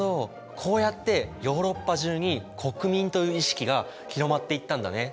こうやってヨーロッパ中に国民という意識が広まっていったんだね。